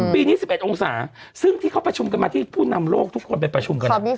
ปีนี้๑๑องศาซึ่งที่เขาประชุมกันมาที่ผู้นำโลกทุกคนไปประชุมกัน